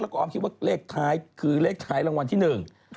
แล้วก็ออมคิดว่าเลขไทยคือเลขไทยรางวัลที่๑